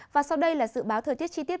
và sau đây là dự báo thời tiết chi tiết